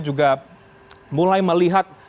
juga mulai melihat